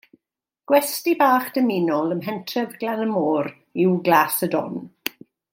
Gwesty bach dymunol ym mhentref Glan-y-môr yw Glas y Don